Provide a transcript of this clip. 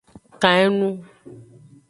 Kan enu.